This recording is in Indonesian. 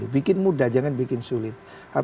bikin mudah jangan bikin sulit